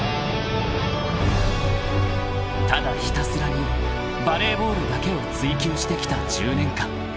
［ただひたすらにバレーボールだけを追求してきた１０年間］